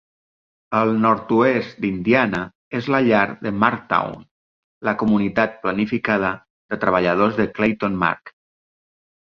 El nord-oest d'Indiana és la llar de Marktown, la comunitat planificada de treballadors de Clayton Mark.